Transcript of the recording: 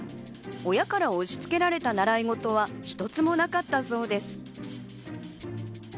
親から押し付けられた習い事は一つもなかったそうです。